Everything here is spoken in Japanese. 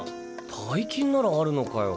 大金ならあるのかよ？